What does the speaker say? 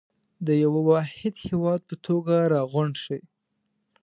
د يوه واحد هېواد په توګه راغونډ شئ.